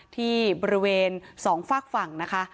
ที่บริเวณ๒ฝากฝั่งนะคะ